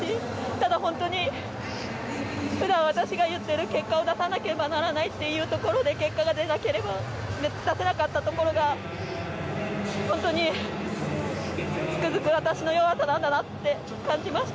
ただ、本当に普段、私が言っている結果を出さなければならないというところで結果が出せなかったところが本当に、つくづく私の弱さなんだなって感じました。